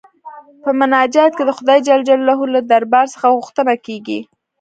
په مناجات کې د خدای جل جلاله له دربار څخه غوښتنه کيږي.